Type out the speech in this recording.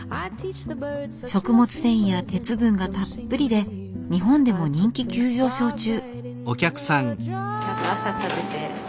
食物繊維や鉄分がたっぷりで日本でも人気急上昇中。